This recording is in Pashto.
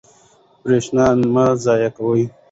برښنا مه ضایع کوئ.